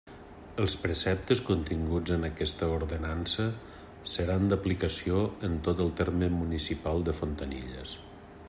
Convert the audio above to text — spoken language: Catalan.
Els preceptes continguts en aquesta ordenança seran d'aplicació en tot el terme municipal de Fontanilles.